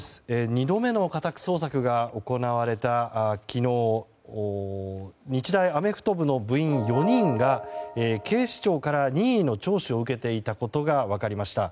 ２度目の家宅捜索が行われた昨日日大アメフト部の部員４人が警視庁から任意の聴取を受けていたことが分かりました。